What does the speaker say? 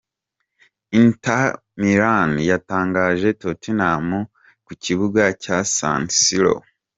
Inter Milan yatangaje Tottenhamku kibuga ca San Siro.